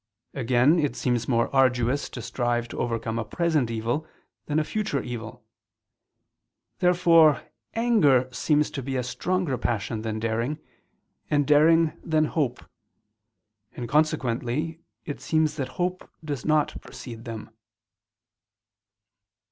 Again, it seems more arduous to strive to overcome a present evil, than a future evil. Therefore anger seems to be a stronger passion than daring, and daring, than hope. And consequently it seems that hope does not precede them.